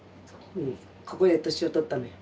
ここで年を取ったのよ。